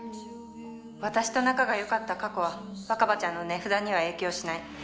私と仲が良かった過去は若葉ちゃんの値札には影響しない。